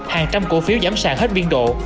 hàng trăm cổ phiếu giảm sàn hết biên độ